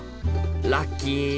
ラッキー！